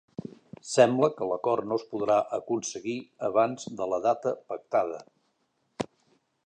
Sembla que l'acord no es podrà aconseguir abans de la data pactada